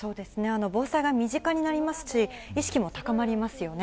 防災が身近になりますし、意識も高まりますよね。